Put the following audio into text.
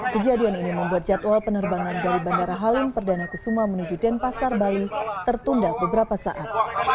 kejadian ini membuat jadwal penerbangan dari bandara halim perdana kusuma menuju denpasar bali tertunda beberapa saat